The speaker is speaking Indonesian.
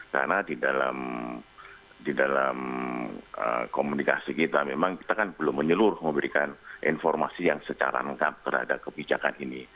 karena di dalam komunikasi kita memang kita kan belum menyeluruh memberikan informasi yang secara lengkap terhadap kebijakan ini